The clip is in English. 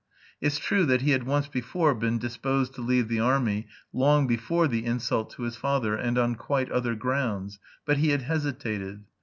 It's true that he had once before been disposed to leave the army long before the insult to his father, and on quite other grounds, but he had hesitated.